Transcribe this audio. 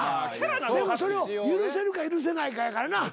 でもそれを許せるか許せないかやからな。